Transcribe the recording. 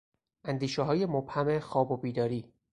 اندیشههای مبهم خواب و بیداری